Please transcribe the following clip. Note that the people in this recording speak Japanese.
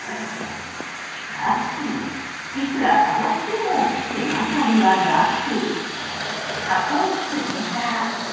しかしいくら探しても手がかりはなく。